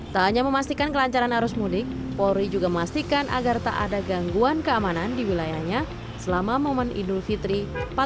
tak hanya memastikan kelancaran arus mudik polri juga memastikan agar tak ada gangguan keamanan di wilayahnya selama momen idul fitri seribu empat ratus dua puluh